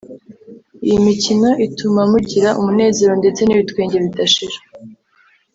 iyi mikino ituma mugira umunezero ndetse n’ibitwenge bidashira